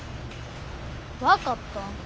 分かった。